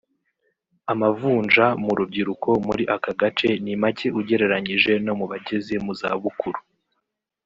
Amavunja mu rubyiruko muri aka gace ni make ugereranyije no mu bageze mu za bukuru